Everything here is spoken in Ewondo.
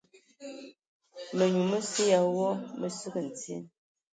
Minyu məsə ya wɔ mə səki ntye.